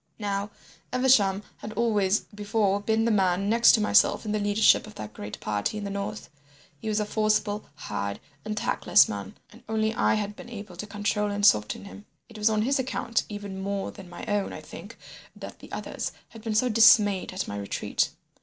Now, Evesham had always before been the man next to myself in the leadership of that great party in the north. He was a forcible, hard, and tactless man, and only I had been able to control and soften him. It was on his account even more than my own, I think, that the others had been so dismayed at my retreat.